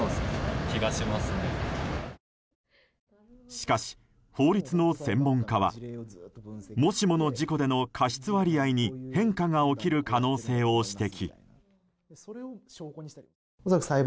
しかし、法律の専門家はもしもの事故での過失割合に変化が起きる可能性を指摘。